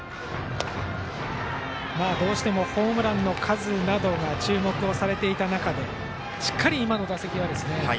どうしてもホームランの数などが注目されていた中でしっかり、今の打席は。